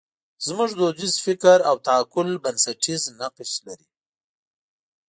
زموږ دودیز فکر او تعقل بنسټیز نقش لري.